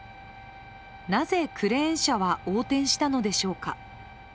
なぜ、クレーン車は横転したのでしょうか。